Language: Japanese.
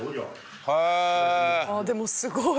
ああでもすごい。